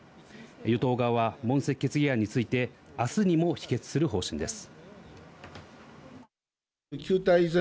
与党側は問責決議案について、あすにも否決する方針です。